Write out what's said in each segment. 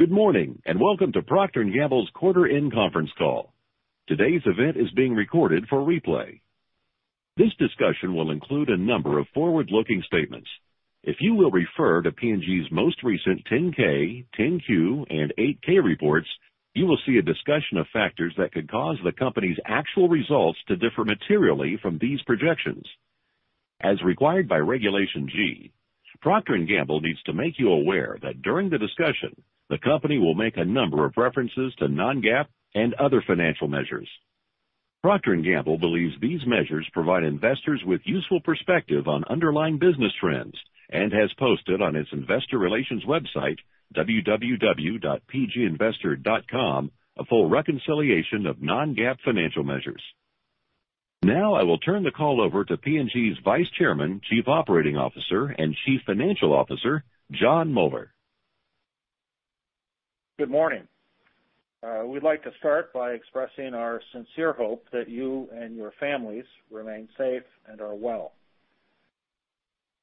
Good morning, and welcome to Procter & Gamble's quarter end conference call. Today's event is being recorded for replay. This discussion will include a number of forward-looking statements. If you will refer to P&G's most recent 10-K, 10-Q, and 8-K reports, you will see a discussion of factors that could cause the company's actual results to differ materially from these projections. As required by Regulation G, Procter & Gamble needs to make you aware that during the discussion, the company will make a number of references to non-GAAP and other financial measures. Procter & Gamble believes these measures provide investors with useful perspective on underlying business trends and has posted on its investor relations website, www.pginvestor.com, a full reconciliation of non-GAAP financial measures. Now I will turn the call over to P&G's Vice Chairman, Chief Operating Officer, and Chief Financial Officer, Jon Moeller. Good morning. We'd like to start by expressing our sincere hope that you and your families remain safe and are well.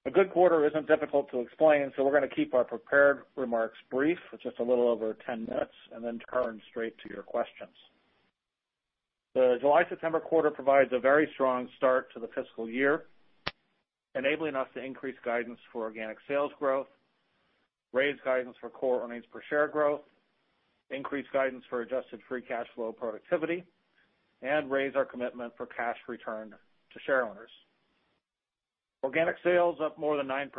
We're going to keep our prepared remarks brief, with just a little over 10 minutes, and then turn straight to your questions. The July-September quarter provides a very strong start to the fiscal year, enabling us to increase guidance for organic sales growth, raise guidance for core earnings per share growth, increase guidance for adjusted free cash flow productivity, and raise our commitment for cash return to shareowners. Organic sales up more than 9%,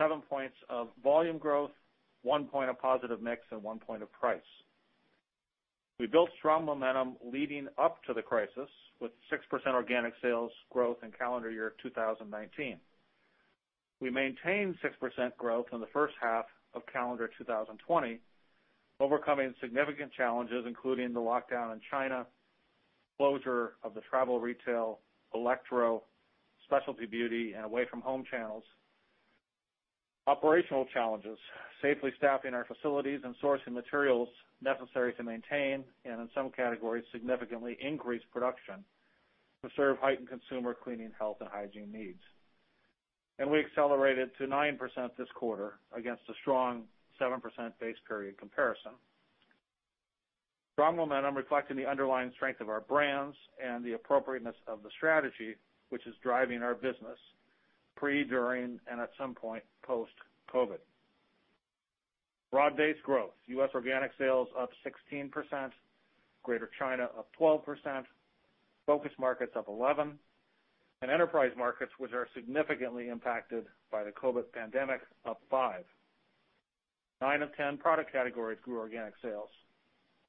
7 points of volume growth, 1 point of positive mix, and one point of price. We built strong momentum leading up to the crisis with 6% organic sales growth in calendar year 2019. We maintained 6% growth in the first half of calendar 2020, overcoming significant challenges, including the lockdown in China, closure of the travel retail, electro, specialty beauty, and away-from-home channels, operational challenges, safely staffing our facilities and sourcing materials necessary to maintain, and in some categories, significantly increase production to serve heightened consumer cleaning, health, and hygiene needs. We accelerated to 9% this quarter against a strong 7% base period comparison. Strong momentum reflecting the underlying strength of our brands and the appropriateness of the strategy, which is driving our business pre, during, and at some point, post-COVID. Broad-based growth. U.S. organic sales up 16%, Greater China up 12%, focus markets up 11%, and enterprise markets, which are significantly impacted by the COVID pandemic, up five. Nine of 10 product categories grew organic sales.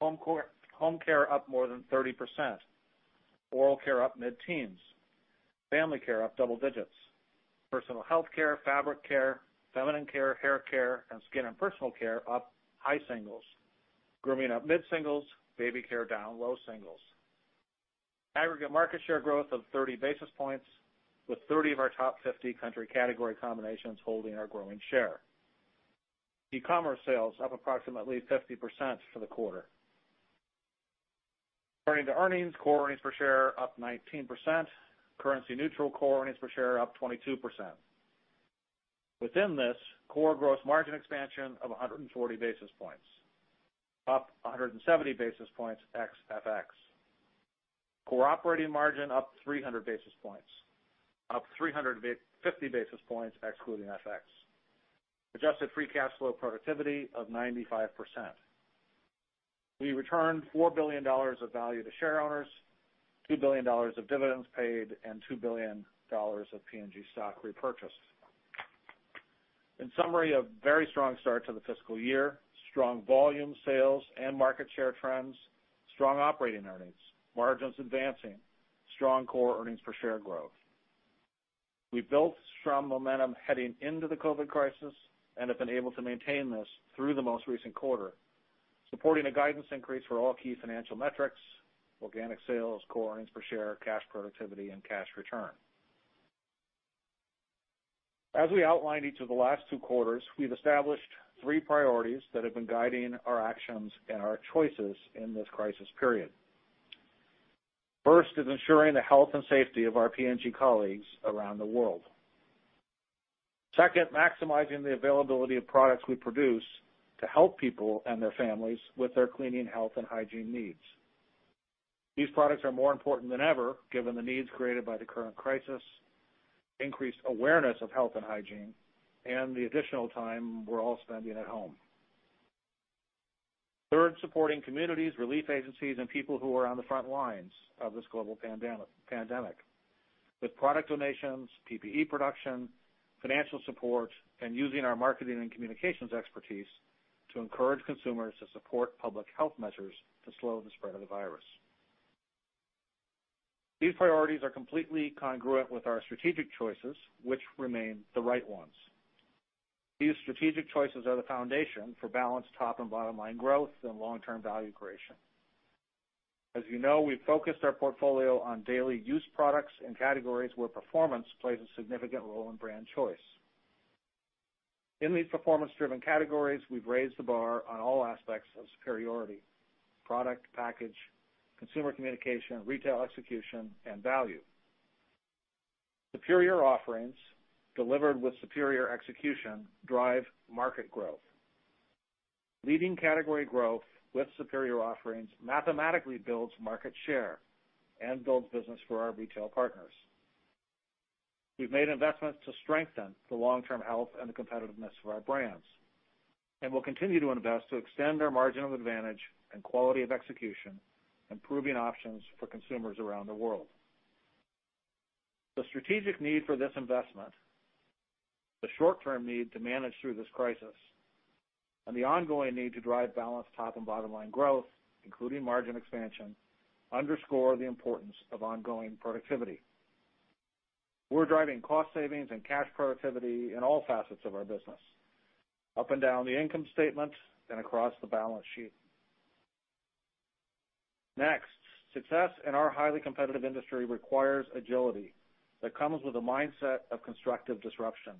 Home care up more than 30%. Oral care up mid-teens. Family care up double digits. Personal health care, fabric care, feminine care, haircare, and skin and personal care up high singles. Grooming up mid-singles. Baby care down low singles. Aggregate market share growth of 30 basis points, with 30 of our top 50 country category combinations holding or growing share. E-commerce sales up approximately 50% for the quarter. Turning to earnings. Core earnings per share up 19%. Currency neutral core earnings per share up 22%. Within this, core gross margin expansion of 140 basis points, up 170 basis points ex FX. Core operating margin up 300 basis points, up 350 basis points excluding FX. Adjusted free cash flow productivity of 95%. We returned $4 billion of value to shareowners, $2 billion of dividends paid, and $2 billion of P&G stock repurchased. In summary, a very strong start to the fiscal year. Strong volume sales and market share trends. Strong operating earnings. Margins advancing. Strong core earnings per share growth. We built strong momentum heading into the COVID crisis and have been able to maintain this through the most recent quarter, supporting a guidance increase for all key financial metrics, organic sales, core earnings per share, cash productivity, and cash return. As we outlined each of the last two quarters, we've established three priorities that have been guiding our actions and our choices in this crisis period. First is ensuring the health and safety of our P&G colleagues around the world. Second, maximizing the availability of products we produce to help people and their families with their cleaning, health, and hygiene needs. These products are more important than ever, given the needs created by the current crisis, increased awareness of health and hygiene, and the additional time we're all spending at home. Third, supporting communities, relief agencies, and people who are on the front lines of this global pandemic. With product donations, PPE production, financial support, and using our marketing and communications expertise to encourage consumers to support public health measures to slow the spread of the virus. These priorities are completely congruent with our strategic choices, which remain the right ones. These strategic choices are the foundation for balanced top and bottom line growth and long-term value creation. As you know, we've focused our portfolio on daily use products and categories where performance plays a significant role in brand choice. In these performance-driven categories, we've raised the bar on all aspects of superiority, product, package, consumer communication, retail execution, and value. Superior offerings delivered with superior execution drive market growth. Leading category growth with superior offerings mathematically builds market share and builds business for our retail partners. We've made investments to strengthen the long-term health and the competitiveness of our brands, and we'll continue to invest to extend our margin of advantage and quality of execution, improving options for consumers around the world. The strategic need for this investment, the short-term need to manage through this crisis, and the ongoing need to drive balanced top and bottom-line growth, including margin expansion, underscore the importance of ongoing productivity. We're driving cost savings and cash productivity in all facets of our business, up and down the income statement and across the balance sheet. Next, success in our highly competitive industry requires agility that comes with a mindset of constructive disruption,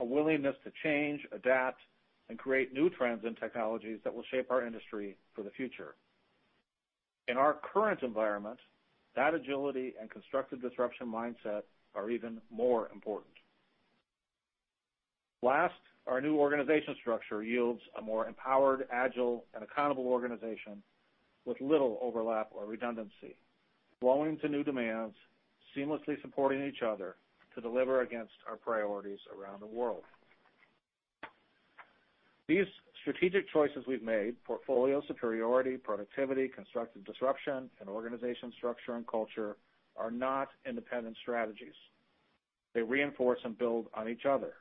a willingness to change, adapt, and create new trends and technologies that will shape our industry for the future. In our current environment, that agility and constructive disruption mindset are even more important. Last, our new organization structure yields a more empowered, agile, and accountable organization with little overlap or redundancy, flowing to new demands, seamlessly supporting each other to deliver against our priorities around the world. These strategic choices we've made, portfolio superiority, productivity, constructive disruption, and organization structure and culture, are not independent strategies. They reinforce and build on each other.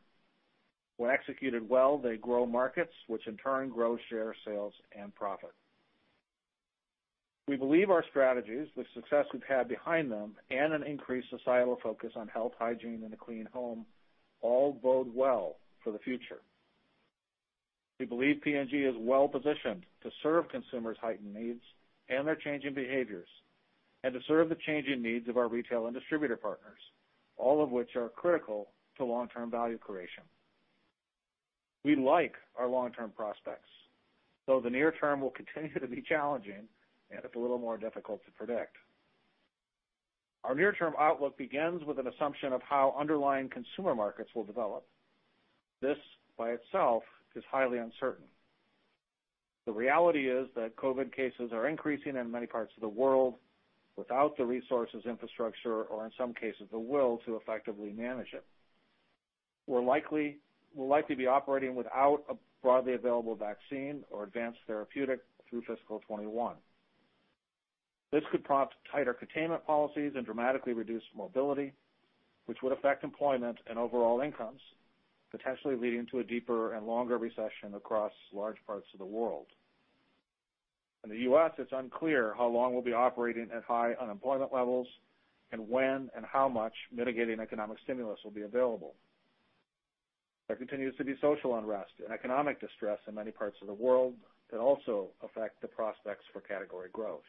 When executed well, they grow markets, which in turn grow share, sales, and profit. We believe our strategies, the success we've had behind them, and an increased societal focus on health, hygiene, and a clean home, all bode well for the future. We believe P&G is well-positioned to serve consumers' heightened needs and their changing behaviors, and to serve the changing needs of our retail and distributor partners, all of which are critical to long-term value creation. We like our long-term prospects. Though the near term will continue to be challenging and it's a little more difficult to predict. Our near-term outlook begins with an assumption of how underlying consumer markets will develop. This by itself is highly uncertain. The reality is that COVID cases are increasing in many parts of the world without the resources, infrastructure, or in some cases, the will to effectively manage it. We'll likely be operating without a broadly available vaccine or advanced therapeutic through fiscal 2021. This could prompt tighter containment policies and dramatically reduced mobility, which would affect employment and overall incomes, potentially leading to a deeper and longer recession across large parts of the world. In the U.S., it's unclear how long we'll be operating at high unemployment levels and when and how much mitigating economic stimulus will be available. There continues to be social unrest and economic distress in many parts of the world that also affect the prospects for category growth.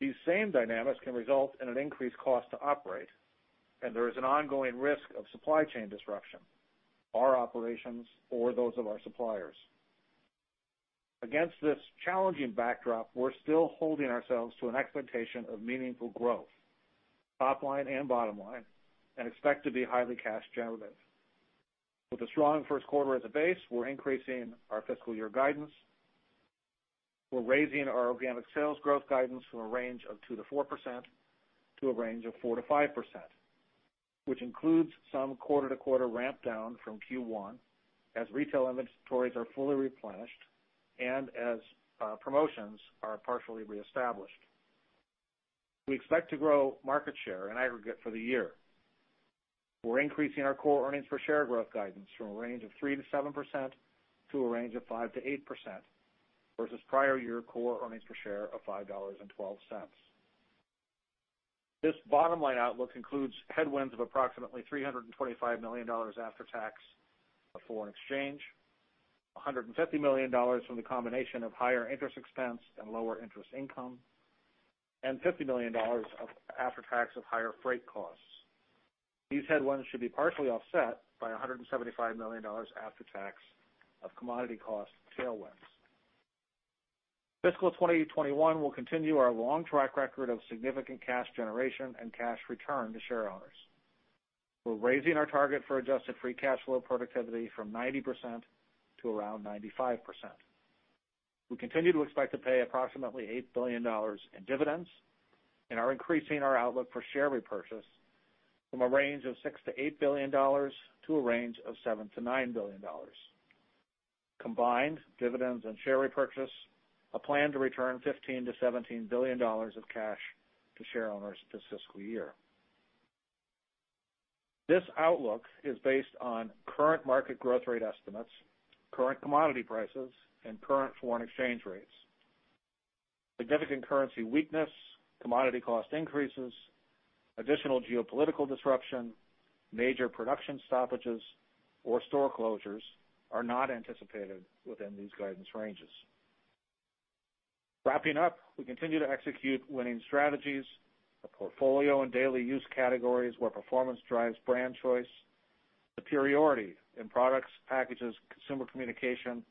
These same dynamics can result in an increased cost to operate, and there is an ongoing risk of supply chain disruption, our operations or those of our suppliers. Against this challenging backdrop, we're still holding ourselves to an expectation of meaningful growth, top line and bottom line, and expect to be highly cash generative. With a strong first quarter as a base, we're increasing our fiscal year guidance. We're raising our organic sales growth guidance from a range of 2%-4% to a range of 4%-5%, which includes some quarter-to-quarter ramp down from Q1 as retail inventories are fully replenished and as promotions are partially reestablished. We expect to grow market share in aggregate for the year. We're increasing our core earnings per share growth guidance from a range of 3%-7% to a range of 5%-8%, versus prior year core earnings per share of $5.12. This bottom-line outlook includes headwinds of approximately $325 million after tax of foreign exchange, $150 million from the combination of higher interest expense and lower interest income, and $50 million of after-tax of higher freight costs. These headwinds should be partially offset by $175 million after tax of commodity cost tailwinds. Fiscal 2021 will continue our long track record of significant cash generation and cash return to shareowners. We're raising our target for adjusted free cash flow productivity from 90% to around 95%. We continue to expect to pay approximately $8 billion in dividends and are increasing our outlook for share repurchase from a range of $6 billion-$8 billion to a range of $7 billion-$9 billion. Combined, dividends and share repurchase, a plan to return $15 billion-$17 billion of cash to shareowners this fiscal year. This outlook is based on current market growth rate estimates, current commodity prices, and current foreign exchange rates. Significant currency weakness, commodity cost increases, additional geopolitical disruption, major production stoppages, or store closures are not anticipated within these guidance ranges. Wrapping up, we continue to execute winning strategies, a portfolio in daily use categories where performance drives brand choice, superiority in products, packages, consumer communication,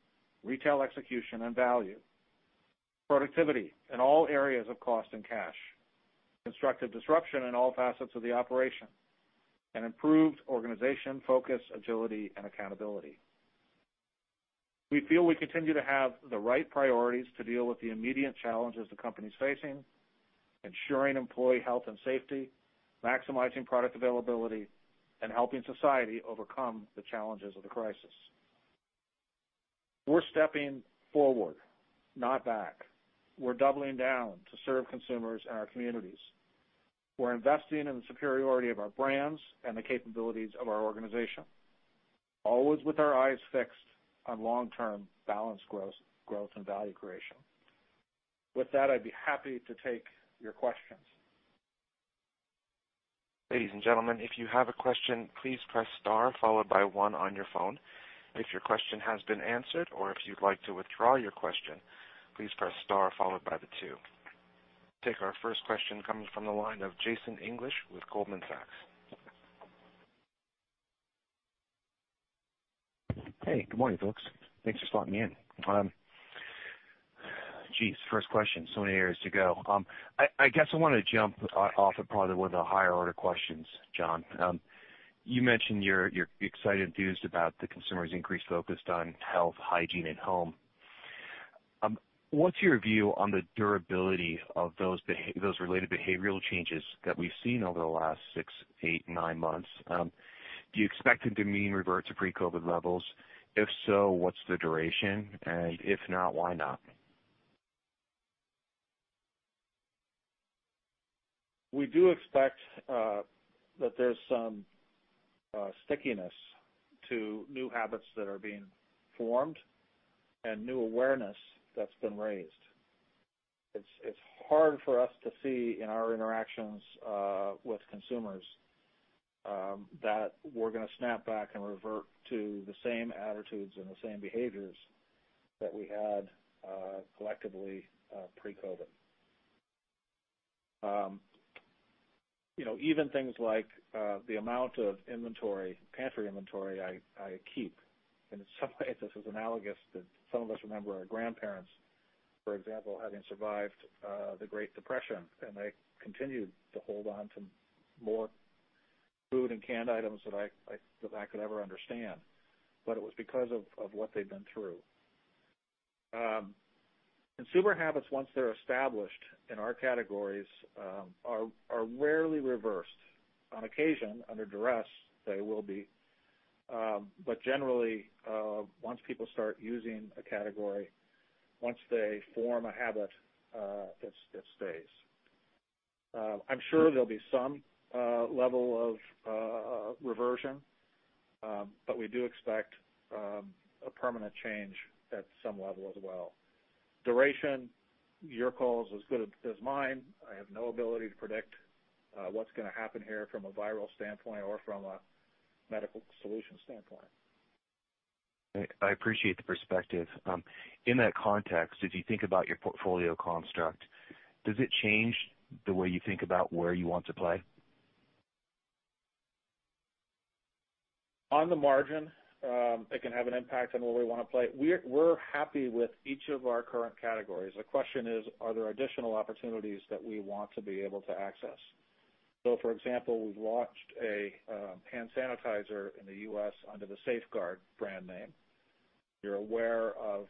retail execution, and value. Productivity in all areas of cost and cash. Constructive disruption in all facets of the operation. Improved organization focus, agility, and accountability. We feel we continue to have the right priorities to deal with the immediate challenges the company's facing, ensuring employee health and safety, maximizing product availability, and helping society overcome the challenges of the crisis. We're stepping forward, not back. We're doubling down to serve consumers and our communities. We're investing in the superiority of our brands and the capabilities of our organization, always with our eyes fixed on long-term balanced growth and value creation. With that, I'd be happy to take your questions. Ladies and gentlemen, if you have a question, please press star followed by one on your phone. If your question has been answered or if you'd like to withdraw your question, please press star followed by the two. Take our first question coming from the line of Jason English with Goldman Sachs. Hey, good morning, folks. Thanks for slotting me in. Geez, first question, so many areas to go. I guess I want to jump off at probably one of the higher order questions, Jon. You mentioned you're excited, enthused about the consumer's increased focus on health, hygiene, and home. What's your view on the durability of those related behavioral changes that we've seen over the last six, eight, nine months? Do you expect them to mean revert to pre-COVID levels? If so, what's the duration? If not, why not? We do expect that there's some stickiness to new habits that are being formed and new awareness that's been raised. It's hard for us to see in our interactions with consumers that we're going to snap back and revert to the same attitudes and the same behaviors that we had collectively pre-COVID. Even things like the amount of inventory, pantry inventory I keep. In some ways, this is analogous to some of us remember our grandparents, for example, having survived the Great Depression, and they continued to hold onto more food and canned items than I could ever understand. It was because of what they'd been through. Consumer habits, once they're established in our categories, are rarely reversed. On occasion, under duress, they will be. Generally, once people start using a category, once they form a habit, it stays. I'm sure there'll be some level of reversion, but we do expect a permanent change at some level as well. Duration, your call's as good as mine. I have no ability to predict what's going to happen here from a viral standpoint or from a medical solution standpoint. I appreciate the perspective. In that context, as you think about your portfolio construct, does it change the way you think about where you want to play? On the margin, it can have an impact on where we want to play. We're happy with each of our current categories. The question is, are there additional opportunities that we want to be able to access? For example, we've launched a hand sanitizer in the U.S. under the Safeguard brand name. You're aware of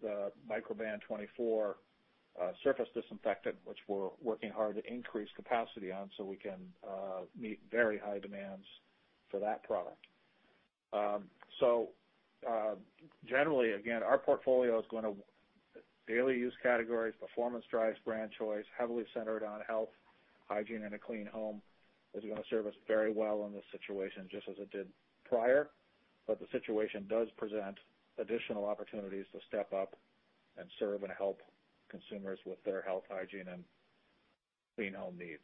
the Microban 24 surface disinfectant, which we're working hard to increase capacity on so we can meet very high demands for that product. Generally, again, our portfolio is going to daily use categories, performance drives brand choice, heavily centered on health, hygiene, and a clean home, is going to serve us very well in this situation, just as it did prior. The situation does present additional opportunities to step up and serve and help consumers with their health, hygiene, and clean home needs.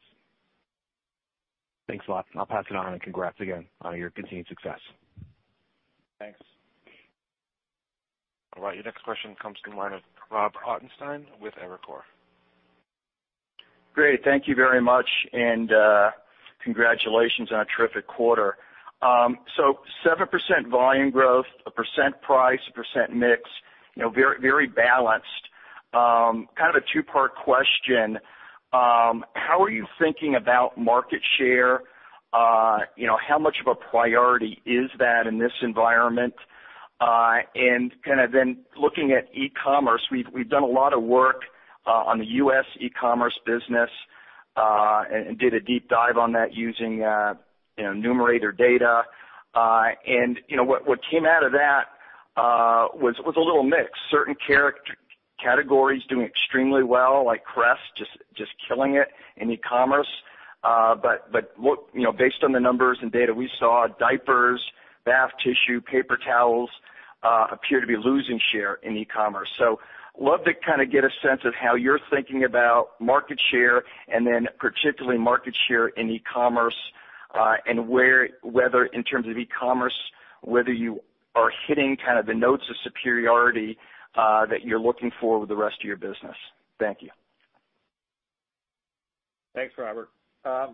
Thanks a lot. I'll pass it on, and congrats again on your continued success. Thanks. All right, your next question comes from the line of Rob Ottenstein with Evercore. Great. Thank you very much, and congratulations on a terrific quarter. 7% volume growth, 1% price, 1% mix, very balanced. Kind of a two-part question. How are you thinking about market share? How much of a priority is that in this environment? Then looking at e-commerce, we've done a lot of work on the U.S. e-commerce business, and did a deep dive on that using Numerator data. What came out of that was a little mixed. Certain categories doing extremely well, like Crest, just killing it in e-commerce. Based on the numbers and data we saw, diapers, bath tissue, paper towels appear to be losing share in e-commerce. Love to kind of get a sense of how you're thinking about market share, and then particularly market share in e-commerce, and whether in terms of e-commerce, whether you are hitting kind of the notes of superiority that you're looking for with the rest of your business. Thank you. Thanks, Robert. I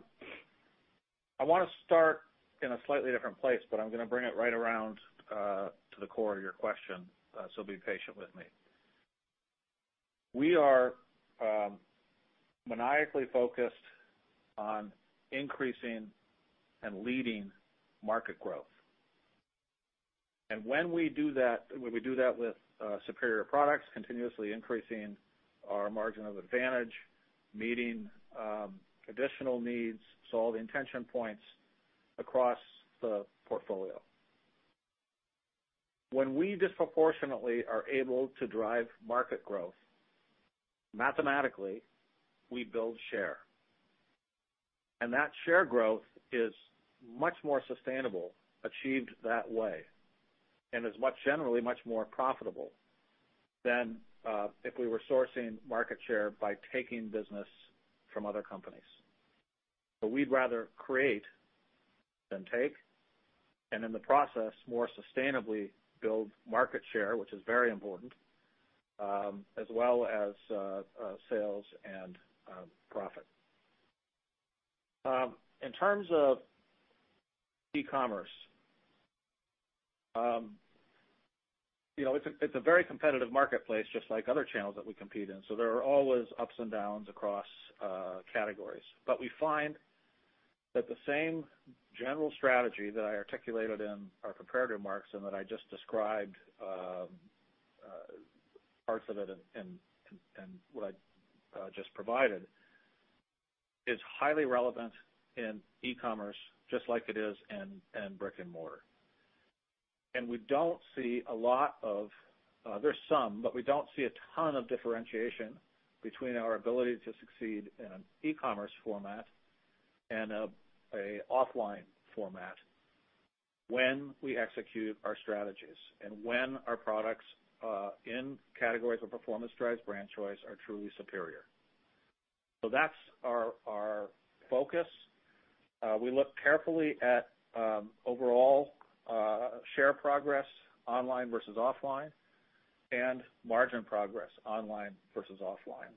want to start in a slightly different place, but I'm going to bring it right around to the core of your question, so be patient with me. We are maniacally focused on increasing and leading market growth. When we do that, we do that with superior products, continuously increasing our margin of advantage, meeting additional needs, solving tension points across the portfolio. When we disproportionately are able to drive market growth, mathematically, we build share. That share growth is much more sustainable achieved that way, and is generally much more profitable than if we were sourcing market share by taking business from other companies. We'd rather create than take, and in the process, more sustainably build market share, which is very important, as well as sales and profit. In terms of e-commerce, it's a very competitive marketplace, just like other channels that we compete in. There are always ups and downs across categories. We find that the same general strategy that I articulated in our prepared remarks and that I just described parts of it and what I just provided, is highly relevant in e-commerce, just like it is in brick and mortar. There's some, but we don't see a ton of differentiation between our ability to succeed in an e-commerce format and a offline format when we execute our strategies and when our products, in categories where performance drives brand choice, are truly superior. That's our focus. We look carefully at overall share progress online versus offline and margin progress online versus offline.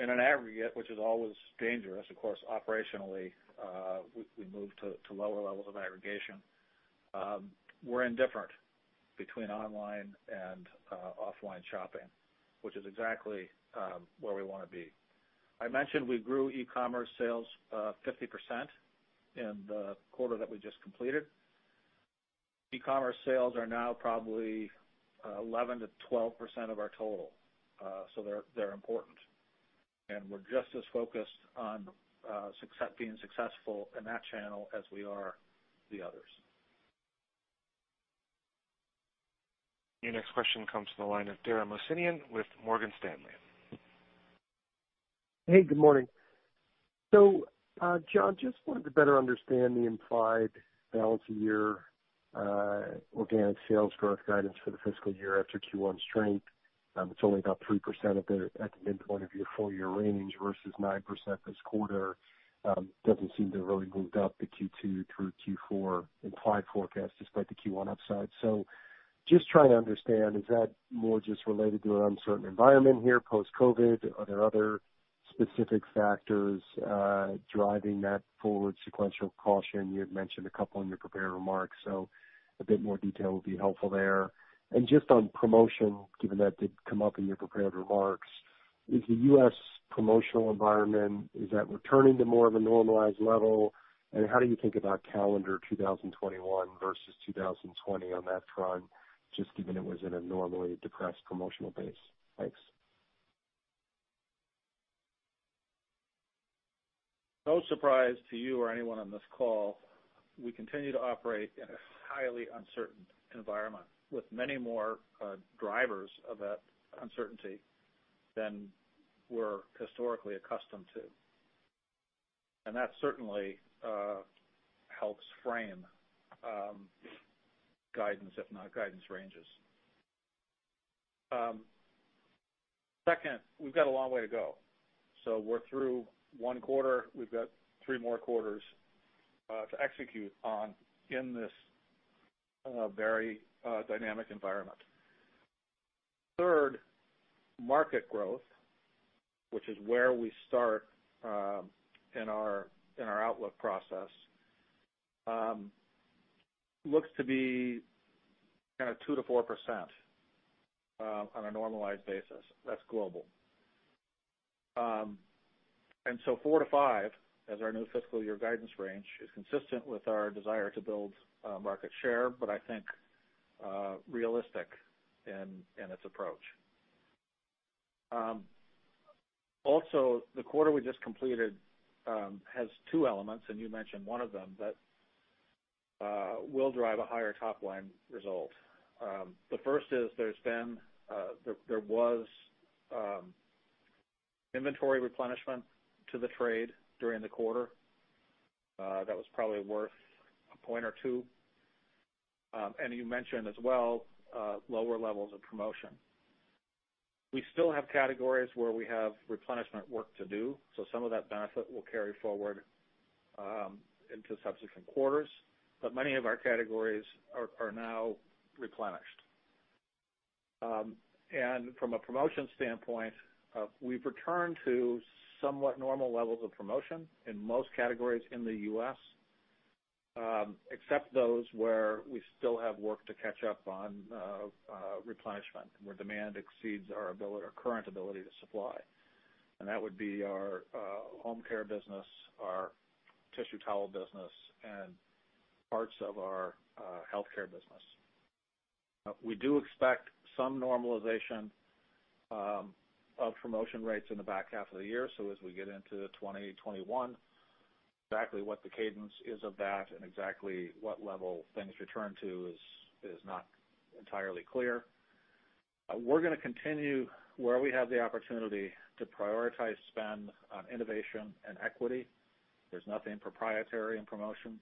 In an aggregate, which is always dangerous, of course, operationally, we move to lower levels of aggregation. We're indifferent between online and offline shopping, which is exactly where we want to be. I mentioned we grew e-commerce sales 50% in the quarter that we just completed. E-commerce sales are now probably 11%-12% of our total. They're important, and we're just as focused on being successful in that channel as we are the others. Your next question comes from the line of Dara Mohsenian with Morgan Stanley. Hey, good morning. Jon, just wanted to better understand the implied balance of year organic sales growth guidance for the fiscal year after Q1 strength. It's only about 3% at the midpoint of your full-year range versus 9% this quarter. Doesn't seem to have really moved up the Q2 through Q4 implied forecast, despite the Q1 upside. Just trying to understand, is that more just related to an uncertain environment here post-COVID? Are there other specific factors driving that forward sequential caution? You had mentioned a couple in your prepared remarks, so a bit more detail would be helpful there. Just on promotion, given that did come up in your prepared remarks, is the U.S. promotional environment, is that returning to more of a normalized level? How do you think about calendar 2021 versus 2020 on that front, just given it was in a normally depressed promotional base? Thanks. No surprise to you or anyone on this call, we continue to operate in a highly uncertain environment, with many more drivers of that uncertainty than we're historically accustomed to. That certainly helps frame guidance, if not guidance ranges. Second, we've got a long way to go. We're through one quarter. We've got three more quarters to execute on in this very dynamic environment. Third, market growth, which is where we start in our outlook process looks to be kind of 2%-4% on a normalized basis. That's global. 4%-5% as our new fiscal year guidance range is consistent with our desire to build market share, but I think realistic in its approach. Also, the quarter we just completed has two elements, and you mentioned one of them that will drive a higher top-line result. The first is there was inventory replenishment to the trade during the quarter. That was probably worth a point or two. You mentioned as well lower levels of promotion. We still have categories where we have replenishment work to do, so some of that benefit will carry forward into subsequent quarters. Many of our categories are now replenished. From a promotion standpoint, we've returned to somewhat normal levels of promotion in most categories in the U.S., except those where we still have work to catch up on replenishment, where demand exceeds our current ability to supply. That would be our home care business, our tissue towel business, and parts of our healthcare business. We do expect some normalization of promotion rates in the back half of the year. As we get into 2021, exactly what the cadence is of that and exactly what level things return to is not entirely clear. We're going to continue where we have the opportunity to prioritize spend on innovation and equity. There's nothing proprietary in promotion.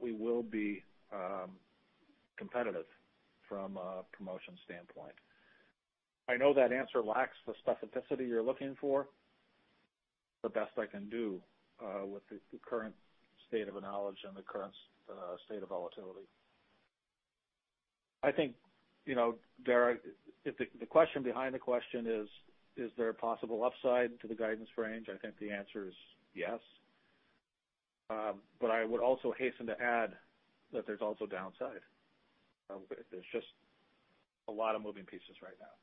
We will be competitive from a promotion standpoint. I know that answer lacks the specificity you're looking for. The best I can do with the current state of knowledge and the current state of volatility. I think, if the question behind the question is there a possible upside to the guidance range? I think the answer is yes. I would also hasten to add that there's also downside. There's just a lot of moving pieces right now.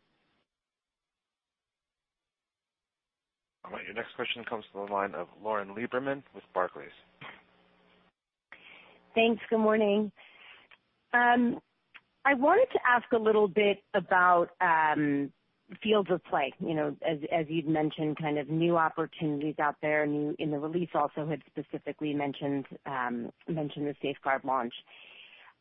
All right, your next question comes to the line of Lauren Lieberman with Barclays. Thanks, good morning. I wanted to ask a little bit about fields of play. As you'd mentioned, kind of new opportunities out there, in the release also had specifically mentioned the Safeguard launch.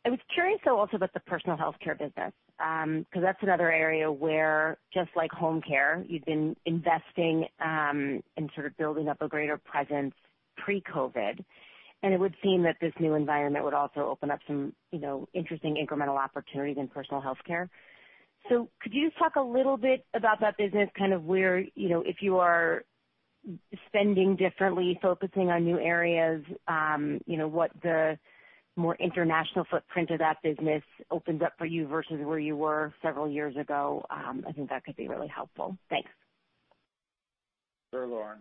I was curious, though, also about the personal healthcare business, because that's another area where, just like home care, you've been investing and sort of building up a greater presence pre-COVID, and it would seem that this new environment would also open up some interesting incremental opportunities in personal healthcare. Could you talk a little bit about that business, kind of where if you are spending differently, focusing on new areas, what the more international footprint of that business opens up for you versus where you were several years ago? I think that could be really helpful. Thanks. Sure, Lauren.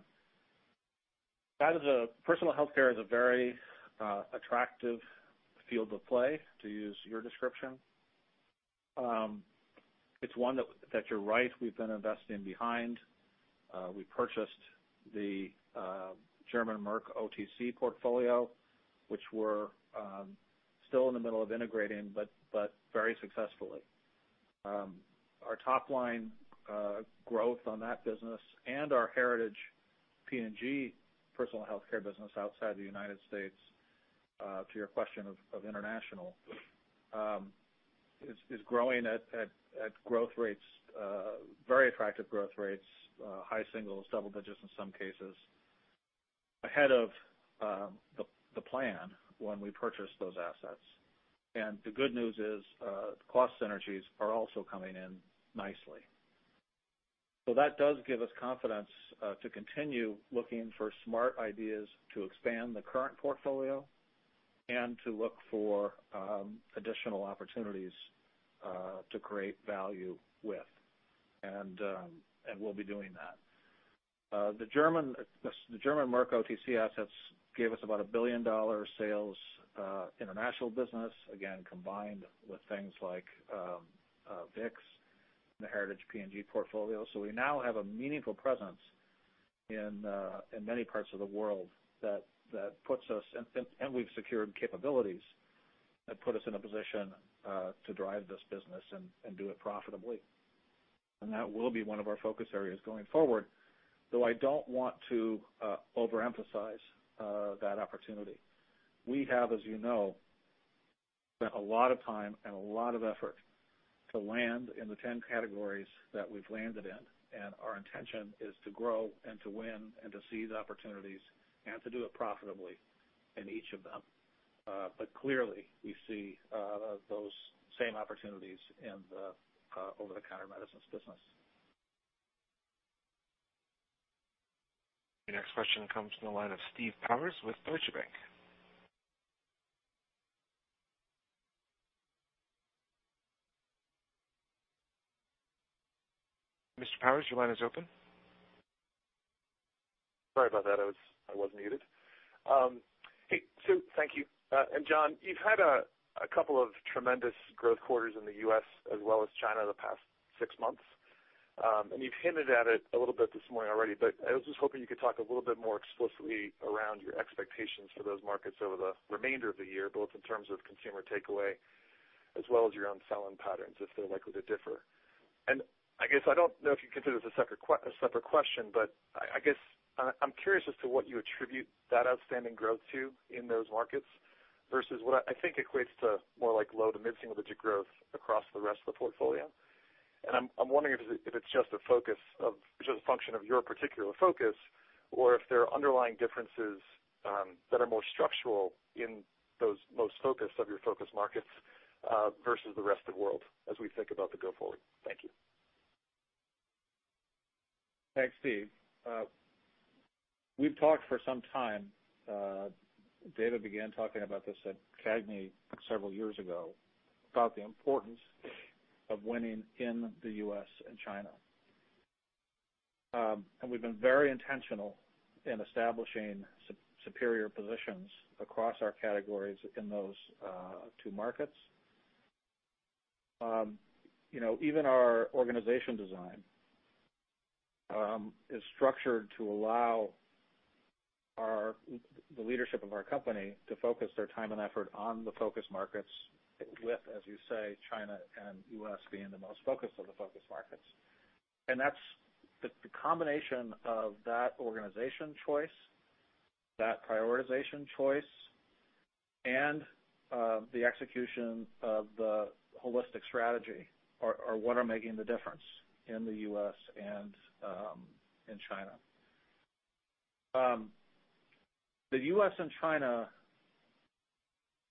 Personal healthcare is a very attractive field of play, to use your description. It's one that, you're right, we've been investing behind. We purchased the Merck KGaA OTC portfolio, which we're still in the middle of integrating, but very successfully. Our top line growth on that business and our heritage P&G personal healthcare business outside the United States, to your question of international, is growing at very attractive growth rates, high singles, double digits in some cases, ahead of the plan when we purchased those assets. The good news is cost synergies are also coming in nicely. That does give us confidence to continue looking for smart ideas to expand the current portfolio and to look for additional opportunities to create value with. We'll be doing that. The Merck KGaA OTC assets gave us about a billion-dollar sales international business, again, combined with things like Vicks and the heritage P&G portfolio. We now have a meaningful presence in many parts of the world, and we've secured capabilities that put us in a position to drive this business and do it profitably. That will be one of our focus areas going forward, though I don't want to overemphasize that opportunity. We have, as you know, spent a lot of time and a lot of effort to land in the 10 categories that we've landed in, and our intention is to grow and to win and to seize opportunities and to do it profitably in each of them. Clearly, we see those same opportunities in the over-the-counter medicines business. Your next question comes from the line of Steve Powers with Deutsche Bank. Mr. Powers, your line is open. Sorry about that. I was muted. Hey, Sue, thank you. Jon, you've had a couple of tremendous growth quarters in the U.S. as well as China the past six months. You've hinted at it a little bit this morning already, but I was just hoping you could talk a little bit more explicitly around your expectations for those markets over the remainder of the year, both in terms of consumer takeaway as well as your own selling patterns, if they're likely to differ. I guess I don't know if you'd consider this a separate question, but I guess I'm curious as to what you attribute that outstanding growth to in those markets versus what I think equates to more like low to mid single digit growth across the rest of the portfolio. I'm wondering if it's just a function of your particular focus or if there are underlying differences that are more structural in those most focused of your focused markets versus the rest of the world as we think about the go-forward. Thanks, Steve. We've talked for some time, David began talking about this at CAGNY several years ago, about the importance of winning in the U.S. and China. We've been very intentional in establishing superior positions across our categories in those two markets. Even our organization design is structured to allow the leadership of our company to focus their time and effort on the focus markets with, as you say, China and U.S. being the most focused of the focus markets. That's the combination of that organization choice, that prioritization choice, and the execution of the holistic strategy are what are making the difference in the U.S. and in China. The U.S. and China,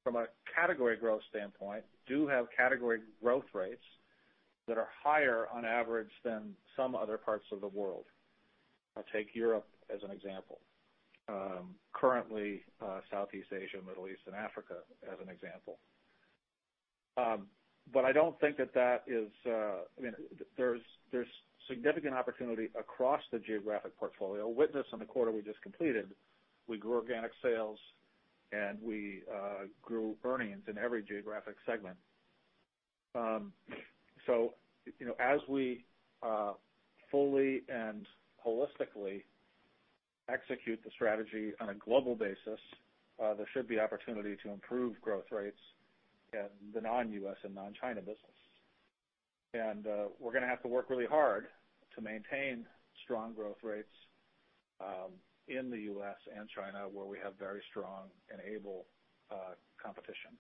from a category growth standpoint, do have category growth rates that are higher on average than some other parts of the world. I'll take Europe as an example. Currently, Southeast Asia, Middle East, and Africa as an example. I don't think there's significant opportunity across the geographic portfolio. Witness in the quarter we just completed, we grew organic sales, and we grew earnings in every geographic segment. As we fully and holistically execute the strategy on a global basis, there should be opportunity to improve growth rates in the non-U.S. and non-China business. We're going to have to work really hard to maintain strong growth rates in the U.S. and China, where we have very strong and able competition.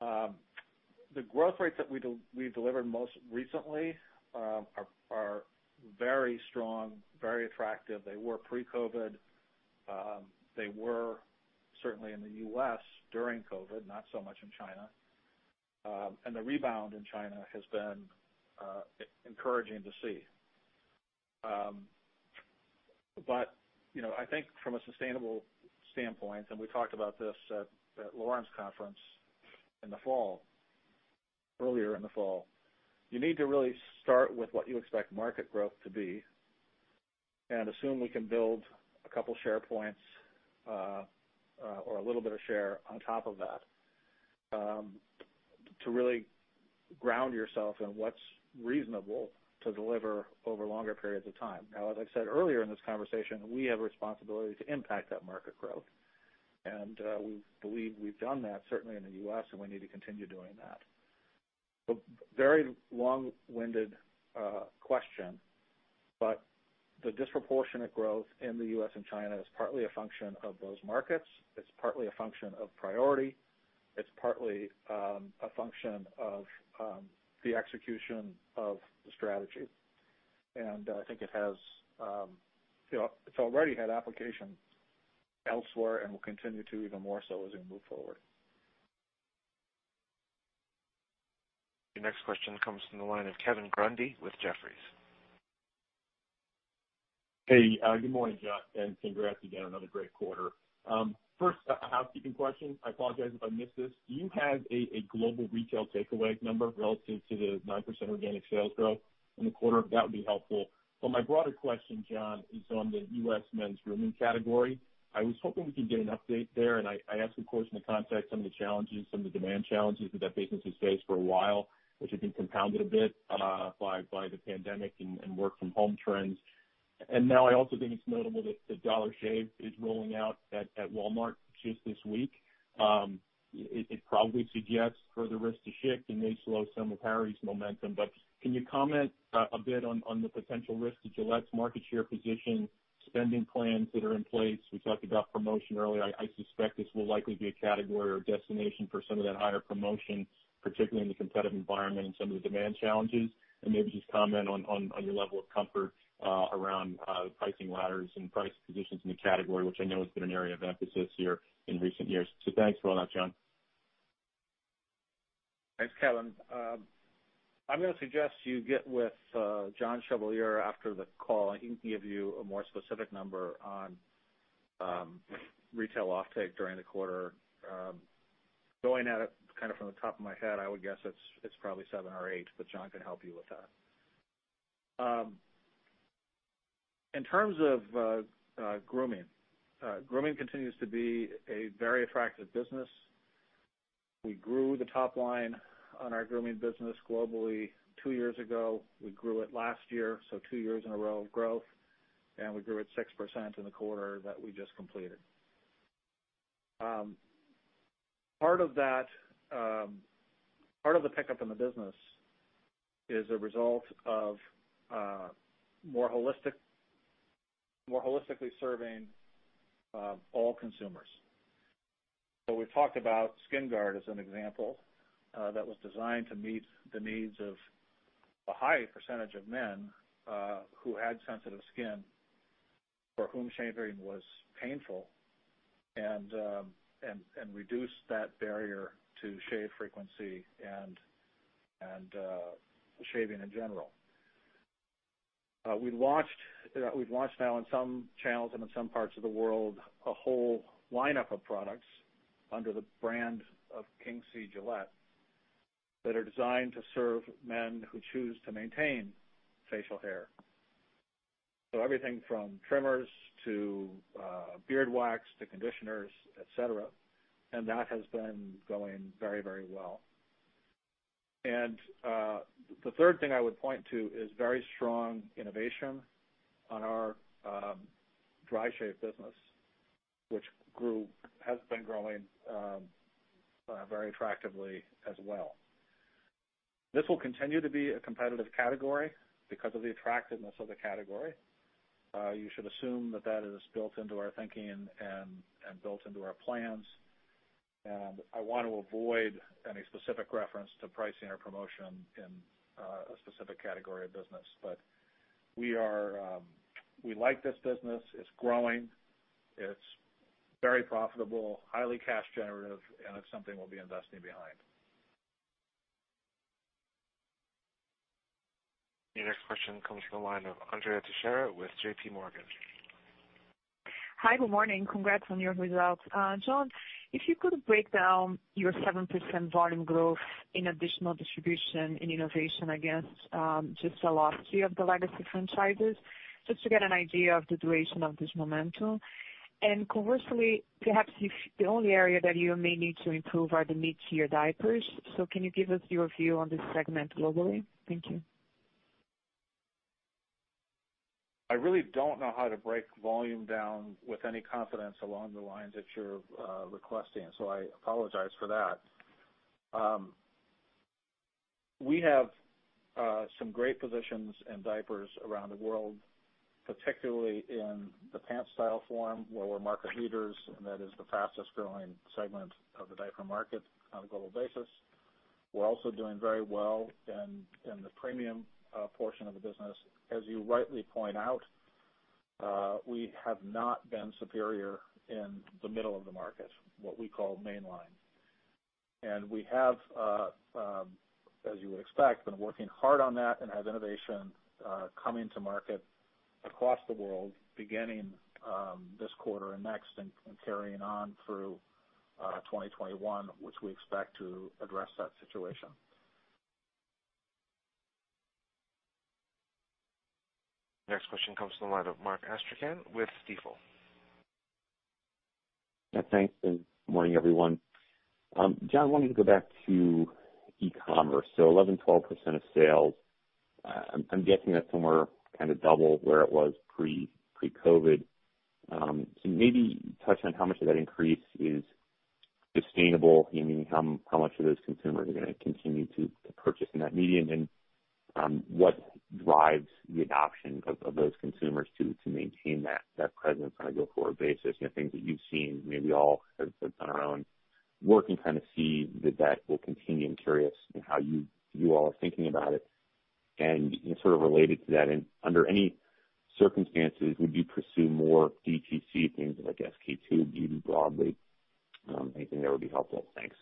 The growth rates that we delivered most recently are very strong, very attractive. They were pre-COVID. They were certainly in the U.S. during COVID, not so much in China. The rebound in China has been encouraging to see. I think from a sustainable standpoint, and we talked about this at Lauren's conference earlier in the fall, you need to really start with what you expect market growth to be and assume we can build a couple share points, or a little bit of share on top of that, to really ground yourself in what's reasonable to deliver over longer periods of time. As I said earlier in this conversation, we have a responsibility to impact that market growth. We believe we've done that certainly in the U.S., and we need to continue doing that. A very long-winded question, the disproportionate growth in the U.S. and China is partly a function of those markets. It's partly a function of priority. It's partly a function of the execution of the strategy. I think it's already had application elsewhere and will continue to even more so as we move forward. Your next question comes from the line of Kevin Grundy with Jefferies. Hey, good morning, Jon, and congrats again, another great quarter. First, a housekeeping question. I apologize if I missed this. Do you have a global retail takeaway number relative to the 9% organic sales growth in the quarter? That would be helpful. My broader question, Jon, is on the U.S. men's grooming category. I was hoping we could get an update there, and I ask, of course, in the context some of the challenges, some of the demand challenges that business has faced for a while, which have been compounded a bit by the pandemic and work from home trends. Now I also think it's notable that Dollar Shave is rolling out at Walmart just this week. It probably suggests further risk to shift and may slow some of Harry's momentum. Can you comment a bit on the potential risk to Gillette's market share position, spending plans that are in place? We talked about promotion earlier. I suspect this will likely be a category or destination for some of that higher promotion, particularly in the competitive environment and some of the demand challenges. Maybe just comment on your level of comfort around pricing ladders and price positions in the category, which I know has been an area of emphasis here in recent years. Thanks for all that, Jon. Thanks, Kevin. I'm going to suggest you get with John Chevalier after the call, and he can give you a more specific number on retail offtake during the quarter. Going at it from the top of my head, I would guess it's probably seven or eight, but Jon can help you with that. In terms of grooming. Grooming continues to be a very attractive business. We grew the top line on our grooming business globally two years ago. We grew it last year, so two years in a row of growth, and we grew it 6% in the quarter that we just completed. Part of the pickup in the business is a result of more holistically serving all consumers. We've talked about SkinGuard as an example that was designed to meet the needs of a high percentage of men who had sensitive skin. For whom shaving was painful and reduced that barrier to shave frequency and shaving in general. We've launched now in some channels and in some parts of the world, a whole lineup of products under the brand of King C. Gillette, that are designed to serve men who choose to maintain facial hair. Everything from trimmers to beard wax to conditioners, et cetera, and that has been going very well. The third thing I would point to is very strong innovation on our dry shave business, which has been growing very attractively as well. This will continue to be a competitive category because of the attractiveness of the category. You should assume that is built into our thinking and built into our plans. I want to avoid any specific reference to pricing or promotion in a specific category of business. We like this business. It's growing, it's very profitable, highly cash generative, and it's something we'll be investing behind. Your next question comes from the line of Andrea Teixeira with JPMorgan. Hi, good morning. Congrats on your results. Jon, if you could break down your 7% volume growth in additional distribution in innovation against just the legacy of the legacy franchises, just to get an idea of the duration of this momentum. Conversely, perhaps if the only area that you may need to improve are the mid-tier diapers. Can you give us your view on this segment globally? Thank you. I really don't know how to break volume down with any confidence along the lines that you're requesting, so I apologize for that. We have some great positions in diapers around the world, particularly in the pant style form, where we're market leaders, and that is the fastest growing segment of the diaper market on a global basis. We're also doing very well in the premium portion of the business. As you rightly point out, we have not been superior in the middle of the market, what we call mainline. We have, as you would expect, been working hard on that and have innovation coming to market across the world, beginning this quarter and next, and carrying on through 2021, which we expect to address that situation. Next question comes to the line of Mark Astrachan with Stifel. Yeah, thanks. Morning, everyone. Jon, wanted to go back to e-commerce. 11%, 12% of sales. I'm guessing that's somewhere double where it was pre-COVID. Maybe touch on how much of that increase is sustainable, meaning how much of those consumers are going to continue to purchase in that medium, and what drives the adoption of those consumers to maintain that presence on a go-forward basis? Things that you've seen, maybe all of us on our own work and see that will continue. I'm curious in how you all are thinking about it. Sort of related to that, under any circumstances, would you pursue more DTC things like, I guess, K2, even broadly? Anything that would be helpful. Thanks.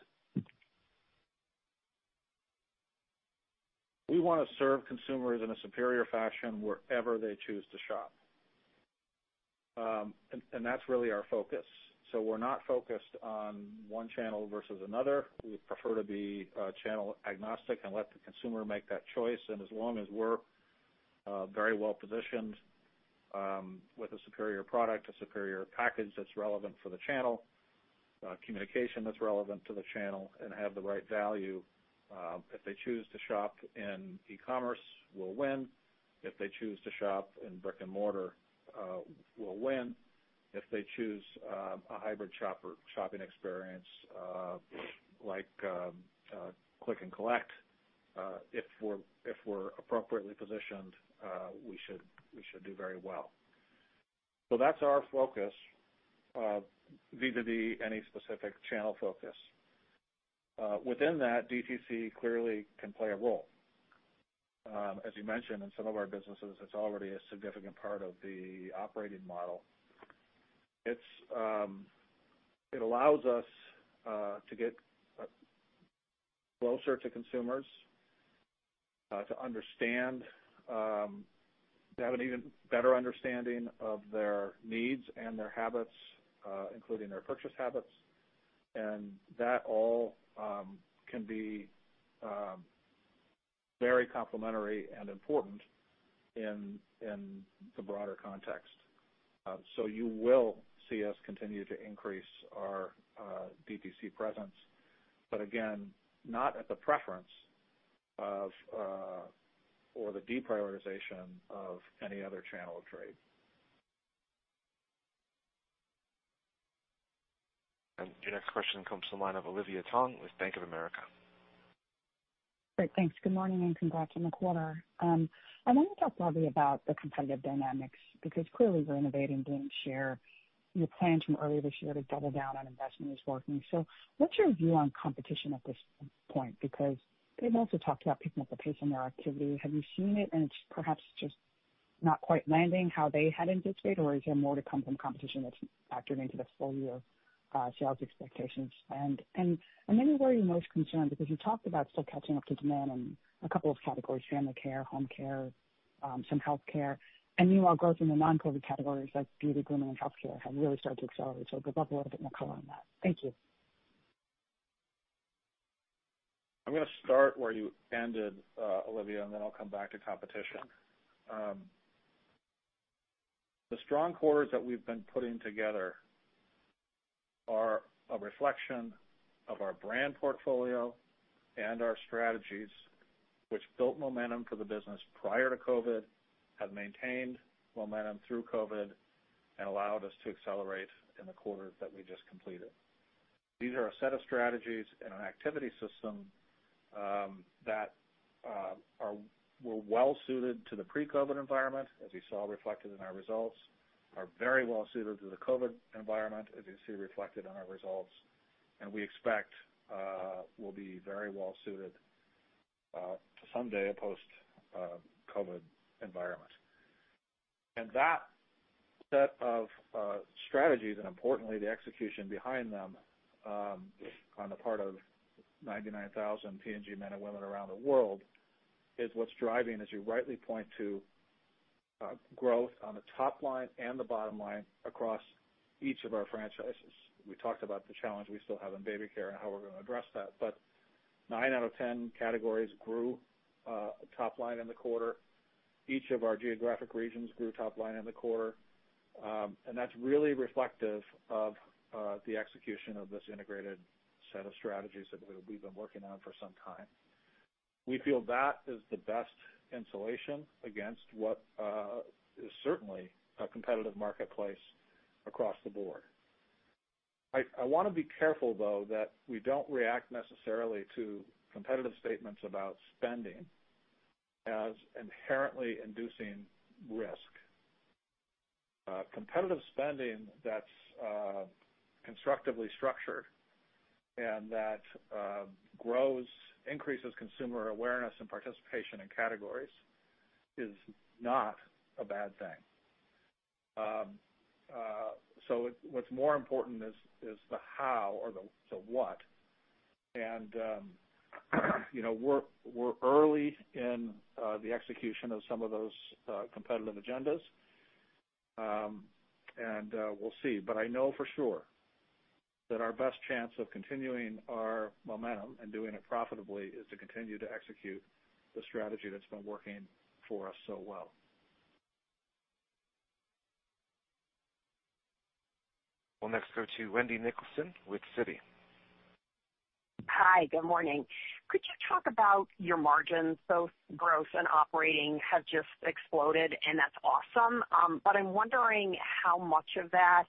We want to serve consumers in a superior fashion wherever they choose to shop. That's really our focus. We're not focused on one channel versus another. We prefer to be channel agnostic and let the consumer make that choice. As long as we're very well-positioned with a superior product, a superior package that's relevant for the channel, communication that's relevant to the channel, and have the right value, if they choose to shop in e-commerce, we'll win. If they choose to shop in brick and mortar, we'll win. If they choose a hybrid shopping experience, like click and collect, if we're appropriately positioned, we should do very well. That's our focus, vis-a-vis any specific channel focus. Within that, DTC clearly can play a role. As you mentioned, in some of our businesses, it's already a significant part of the operating model. It allows us to get closer to consumers, to have an even better understanding of their needs and their habits, including their purchase habits. That all can be very complementary and important in the broader context. You will see us continue to increase our DTC presence. Again, not at the preference of, or the deprioritization of any other channel of trade. Your next question comes to the line of Olivia Tong with Bank of America. Great. Thanks. Good morning, and congrats on the quarter. I want to talk broadly about the competitive dynamics, because clearly we're innovating, gaining share. Your plan from earlier this year to double down on investment is working. What's your view on competition at this point? Because they've also talked about picking up the pace on their activity. Have you seen it, and it's perhaps just not quite landing how they had anticipated, or is there more to come from competition that's factored into the full-year sales expectations? Maybe where are you most concerned, because you talked about still catching up to demand in a couple of categories, family care, home care, some healthcare. Meanwhile, growth in the non-COVID categories like beauty, grooming, and healthcare have really started to accelerate. If you could talk a little bit more color on that. Thank you. I'm going to start where you ended, Olivia, and then I'll come back to competition. The strong quarters that we've been putting together are a reflection of our brand portfolio and our strategies, which built momentum for the business prior to COVID, have maintained momentum through COVID, and allowed us to accelerate in the quarter that we just completed. These are a set of strategies and an activity system that were well-suited to the pre-COVID environment, as you saw reflected in our results, are very well-suited to the COVID environment, as you see reflected in our results, and we expect will be very well-suited to someday a post-COVID environment. That set of strategies, and importantly, the execution behind them on the part of 99,000 P&G men and women around the world, is what's driving, as you rightly point to, growth on the top line and the bottom line across each of our franchises. We talked about the challenge we still have in baby care and how we're going to address that. Nine out of 10 categories grew top line in the quarter. Each of our geographic regions grew top line in the quarter. That's really reflective of the execution of this integrated set of strategies that we've been working on for some time. We feel that is the best insulation against what is certainly a competitive marketplace across the board. I want to be careful, though, that we don't react necessarily to competitive statements about spending as inherently inducing risk. Competitive spending that's constructively structured and that increases consumer awareness and participation in categories is not a bad thing. What's more important is the how or the what. We're early in the execution of some of those competitive agendas. We'll see. I know for sure that our best chance of continuing our momentum and doing it profitably is to continue to execute the strategy that's been working for us so well. We'll next go to Wendy Nicholson with Citi. Hi, good morning. Could you talk about your margins, both gross and operating have just exploded, and that's awesome. I'm wondering how much of that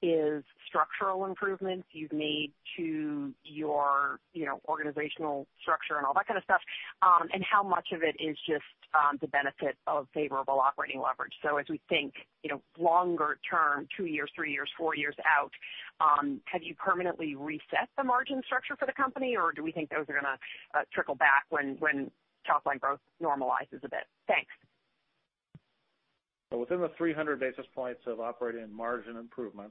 is structural improvements you've made to your organizational structure and all that kind of stuff, and how much of it is just the benefit of favorable operating leverage. As we think longer term, two years, three years, four years out, have you permanently reset the margin structure for the company, or do we think those are going to trickle back when top line growth normalizes a bit? Thanks. Within the 300 basis points of operating margin improvement,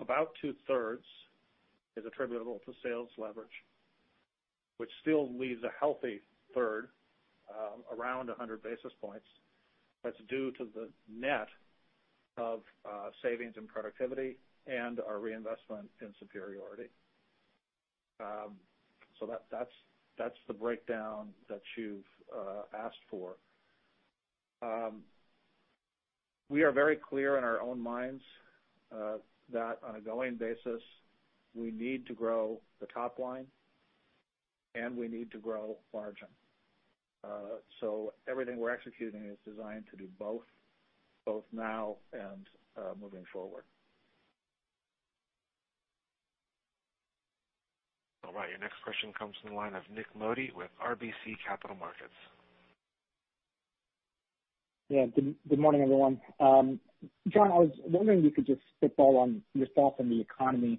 about two-thirds is attributable to sales leverage, which still leaves a healthy third, around 100 basis points, that's due to the net of savings and productivity and our reinvestment in superiority. That's the breakdown that you've asked for. We are very clear in our own minds that on a going basis, we need to grow the top line, and we need to grow margin. Everything we're executing is designed to do both now and moving forward. All right. Your next question comes from the line of Nik Modi with RBC Capital Markets. Yeah. Good morning, everyone. Jon, I was wondering if you could just spitball on your thoughts on the economy.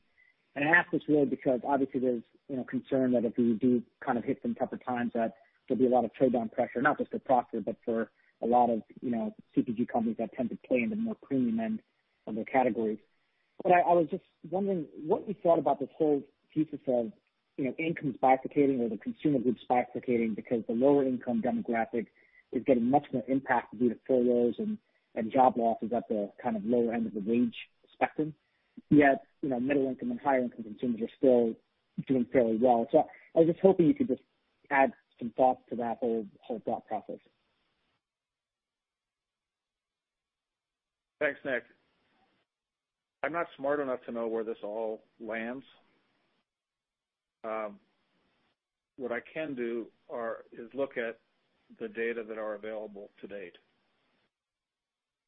I ask this really because obviously there's concern that if we do hit some tougher times, that there'll be a lot of trade-down pressure, not just for Procter, but for a lot of CPG companies that tend to play in the more premium end of their categories. I was just wondering what you thought about this whole thesis of incomes bifurcating or the consumer goods bifurcating because the lower income demographic is getting much more impact due to furloughs and job losses at the lower end of the wage spectrum. Middle income and higher income consumers are still doing fairly well. I was just hoping you could just add some thoughts to that whole thought process. Thanks, Nik. I'm not smart enough to know where this all lands. What I can do is look at the data that are available to date.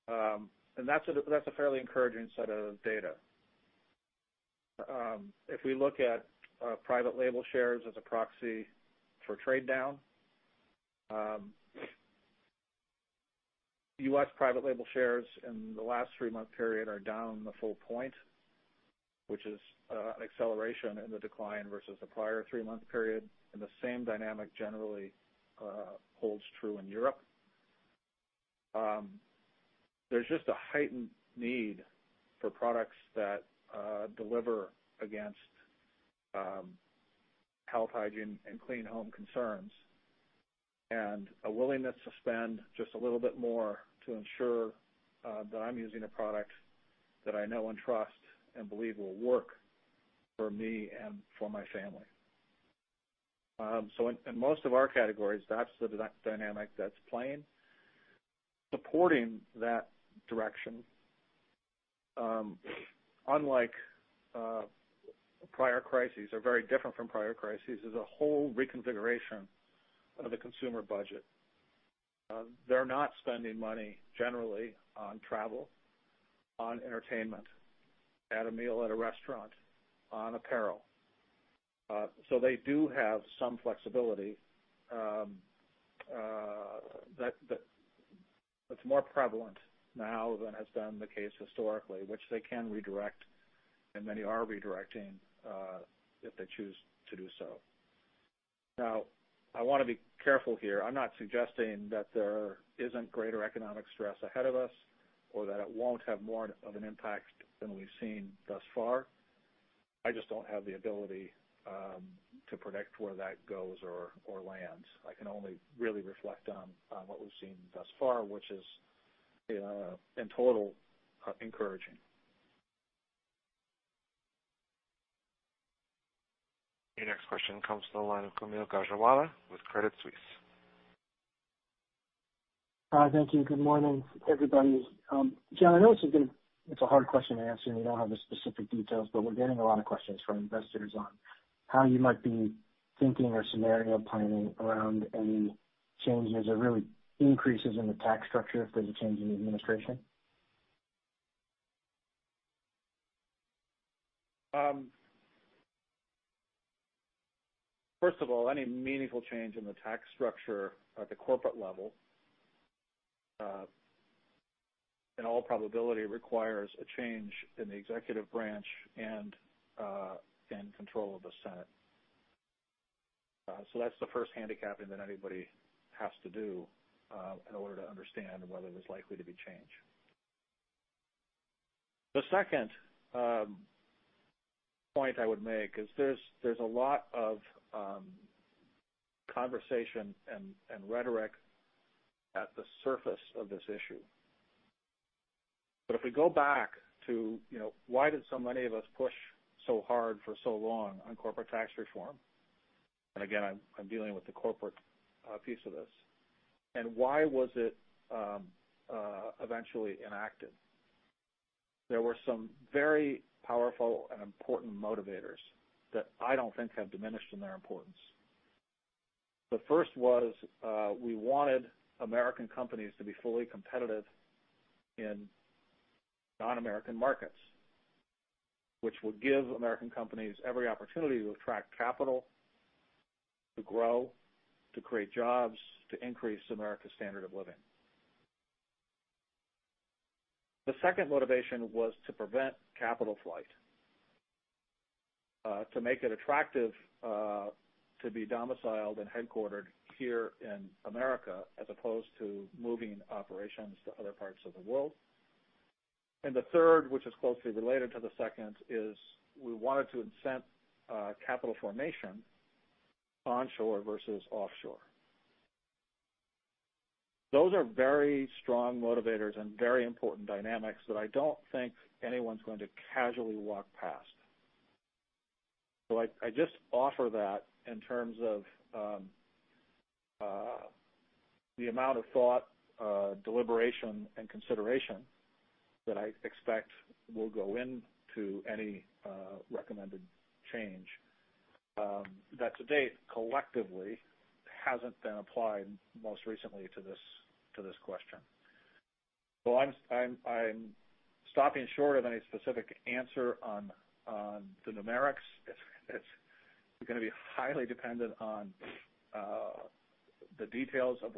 That's a fairly encouraging set of data. If we look at private label shares as a proxy for trade down, U.S. private label shares in the last three-month period are down a full point. Which is acceleration in the decline versus the prior three-month period, and the same dynamic generally holds true in Europe. There's just a heightened need for products that deliver against health, hygiene, and clean home concerns, and a willingness to spend just a little bit more to ensure that I'm using a product that I know and trust and believe will work for me and for my family. In most of our categories, that's the dynamic that's playing. Supporting that direction, unlike prior crises, or very different from prior crises, there's a whole reconfiguration of the consumer budget. They're not spending money generally on travel, on entertainment, at a meal at a restaurant, on apparel. They do have some flexibility that's more prevalent now than has been the case historically, which they can redirect, and many are redirecting, if they choose to do so. I want to be careful here. I'm not suggesting that there isn't greater economic stress ahead of us, or that it won't have more of an impact than we've seen thus far. I just don't have the ability to predict where that goes or lands. I can only really reflect on what we've seen thus far, which is, in total, encouraging. Your next question comes from the line of Kaumil Gajrawala with Credit Suisse. Hi, thank you. Good morning, everybody. Jon, I know this is a hard question to answer, and we don't have the specific details, but we're getting a lot of questions from investors on how you might be thinking or scenario planning around any changes or really increases in the tax structure if there's a change in the administration. First of all, any meaningful change in the tax structure at the corporate level, in all probability, requires a change in the executive branch and control of the Senate. That's the first handicapping that anybody has to do in order to understand whether there's likely to be change. The second point I would make is there's a lot of conversation and rhetoric at the surface of this issue. If we go back to why did so many of us push so hard for so long on corporate tax reform, and again, I'm dealing with the corporate piece of this, and why was it eventually enacted? There were some very powerful and important motivators that I don't think have diminished in their importance. The first was we wanted American companies to be fully competitive in non-American markets, which would give American companies every opportunity to attract capital, to grow, to create jobs, to increase America's standard of living. The second motivation was to prevent capital flight, to make it attractive to be domiciled and headquartered here in America as opposed to moving operations to other parts of the world. The third, which is closely related to the second, is we wanted to incent capital formation onshore versus offshore. Those are very strong motivators and very important dynamics that I don't think anyone's going to casually walk past. I just offer that in terms of the amount of thought, deliberation, and consideration that I expect will go into any recommended change that to date, collectively, hasn't been applied most recently to this question. I'm stopping short of any specific answer on the numerics. It's going to be highly dependent on the details of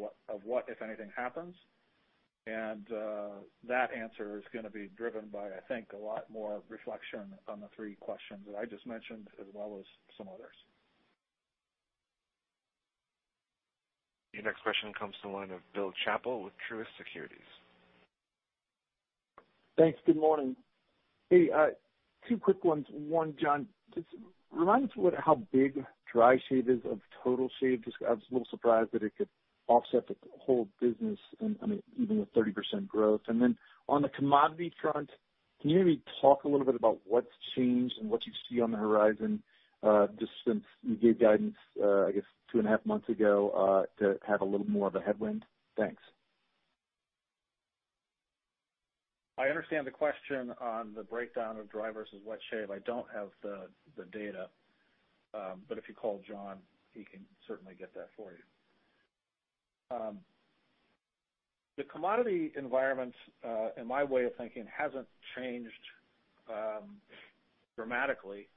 what, if anything, happens. That answer is going to be driven by, I think, a lot more reflection on the three questions that I just mentioned, as well as some others. Your next question comes to the line of Bill Chappell with Truist Securities. Thanks. Good morning. Hey, two quick ones. One, Jon, just remind us how big dry shave is of total shave. Just I was a little surprised that it could offset the whole business and even with 30% growth. On the commodity front, can you maybe talk a little bit about what's changed and what you see on the horizon, just since you gave guidance, I guess, two and a half months ago, to have a little more of a headwind? Thanks. I understand the question on the breakdown of dry versus wet shave. I don't have the data. If you call Jon, he can certainly get that for you. The commodity environment, in my way of thinking, hasn't changed dramatically.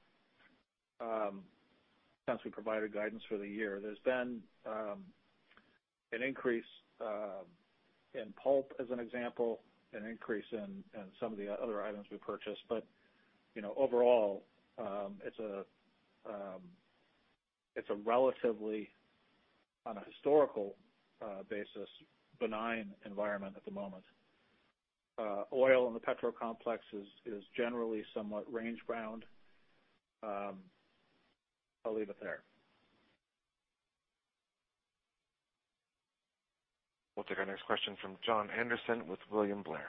Since we provided guidance for the year. There's been an increase in pulp, as an example, an increase in some of the other items we purchased. Overall, it's a relatively, on a historical basis, benign environment at the moment. Oil in the petro complex is generally somewhat range-bound. I'll leave it there. We'll take our next question from Jon Andersen with William Blair.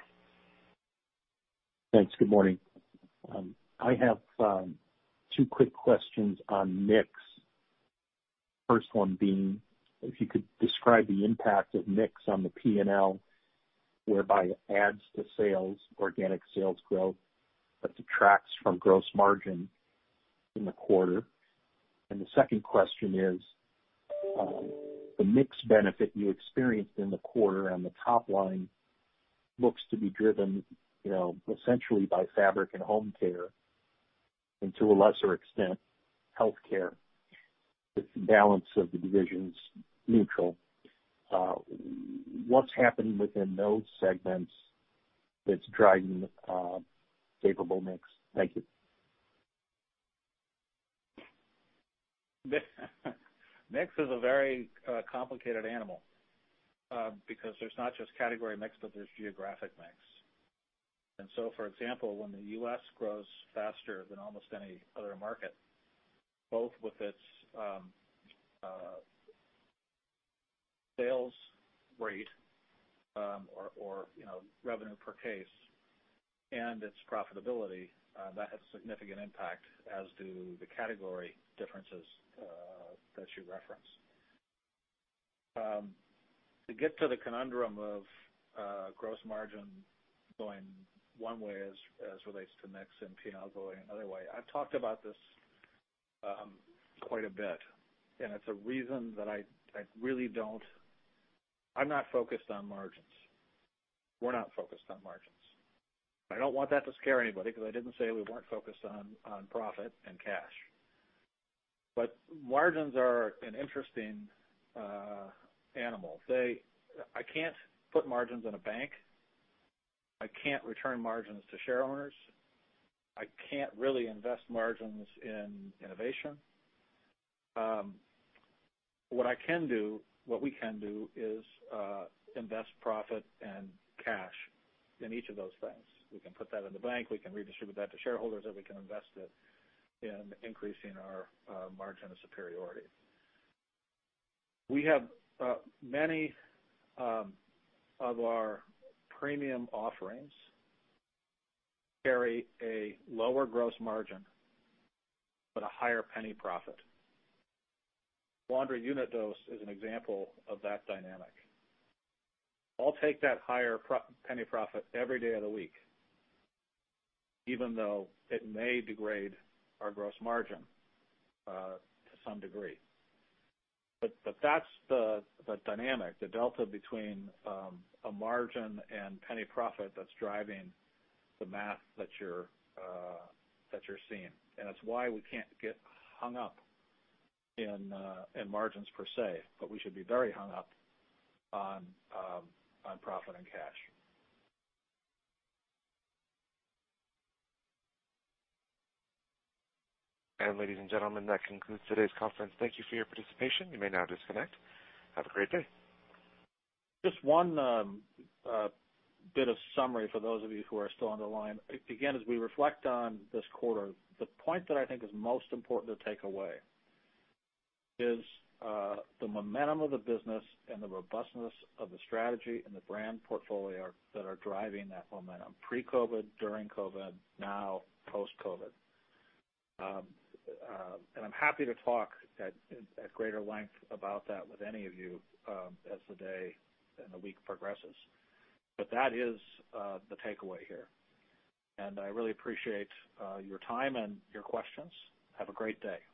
Thanks. Good morning. I have two quick questions on mix. First one being if you could describe the impact of mix on the P&L, whereby it adds to organic sales growth, but detracts from gross margin in the quarter. The second question is, the mix benefit you experienced in the quarter on the top line looks to be driven essentially by Fabric and Home Care, and to a lesser extent, Healthcare, with the balance of the divisions neutral. What's happened within those segments that's driving favorable mix? Thank you. Mix is a very complicated animal because there's not just category mix, but there's geographic mix. For example, when the U.S. grows faster than almost any other market, both with its sales rate or revenue per case, and its profitability, that has significant impact, as do the category differences that you referenced. To get to the conundrum of gross margin going one way as relates to mix and P&L going another way. I've talked about this quite a bit, and it's a reason that I'm not focused on margins. We're not focused on margins. I don't want that to scare anybody, because I didn't say we weren't focused on profit and cash. Margins are an interesting animal. I can't put margins in a bank. I can't return margins to share owners. I can't really invest margins in innovation. What we can do is invest profit and cash in each of those things. We can put that in the bank, we can redistribute that to shareholders, or we can invest it in increasing our margin of superiority. Many of our premium offerings carry a lower gross margin but a higher penny profit. Laundry unit dose is an example of that dynamic. I'll take that higher penny profit every day of the week, even though it may degrade our gross margin to some degree. That's the dynamic, the delta between a margin and penny profit that's driving the math that you're seeing. It's why we can't get hung up in margins, per se, but we should be very hung up on profit and cash. And ladies and gentlemen, that concludes today's conference. Thank you for your participation. You may now disconnect. Have a great day. Just one bit of summary for those of you who are still on the line. Again, as we reflect on this quarter, the point that I think is most important to take away is the momentum of the business and the robustness of the strategy and the brand portfolio that are driving that momentum pre-COVID, during COVID, now post-COVID. And I'm happy to talk at greater length about that with any of you as the day and the week progresses. But that is the takeaway here. And I really appreciate your time and your questions. Have a great day.